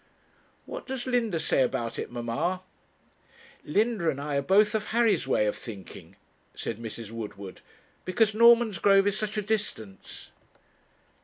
'What does Linda say about it, mamma?' 'Linda and I are both of Harry's way of thinking,' said Mrs. Woodward, 'because Normansgrove is such a distance.'